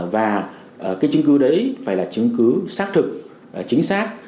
và cái chứng cứ đấy phải là chứng cứ xác thực chính xác